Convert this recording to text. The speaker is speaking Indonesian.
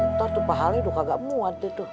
ntar tuh pahalnya tuh kagak muat deh tuh